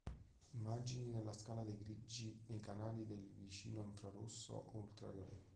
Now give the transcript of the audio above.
Immagini nella scala dei grigi nei canali del vicino infrarosso o ultravioletto.